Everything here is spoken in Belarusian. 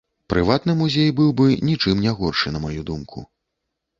Прыватны музей быў бы нічым не горшы, на маю думку.